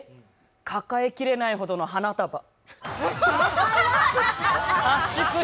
抱えきれないほどの花束。